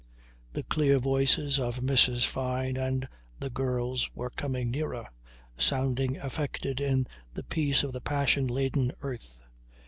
The clear voices of Mrs. Fyne and the girls were coming nearer, sounding affected in the peace of the passion laden earth.